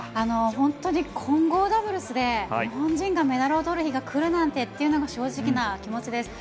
本当に混合ダブルスで日本人がメダルをとる日が来るなんてていうのが正直な気持ちです。